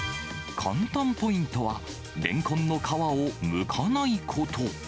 簡単ポイントは、レンコンの皮をむかないこと。